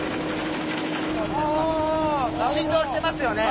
振動してますよね。